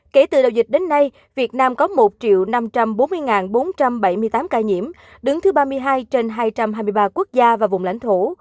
kể từ đầu dịch đến nay việt nam có một năm trăm bốn mươi bốn trăm bảy mươi tám ca nhiễm đứng thứ ba mươi hai trên hai trăm hai mươi ba quốc gia và vùng lãnh thổ